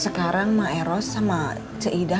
sekarang maeros sama ceidah